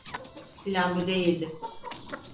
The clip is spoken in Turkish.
Plan bu değildi.